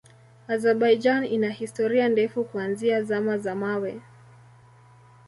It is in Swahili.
Azerbaijan ina historia ndefu kuanzia Zama za Mawe.